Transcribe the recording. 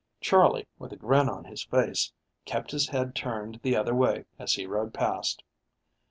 Charley, with a grin on his face, kept his head turned the other way as he rode past.